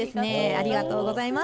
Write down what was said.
ありがとうございます。